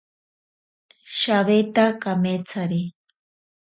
Shaweta kametsari.